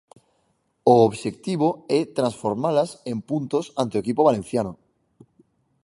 O obxectivo é transformalas en puntos ante o equipo valenciano.